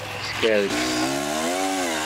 Skerkes.